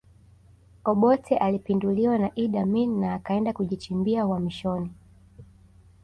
Obote alipinduliwa na Idi Amin na akaenda kujichimbia uhamishoni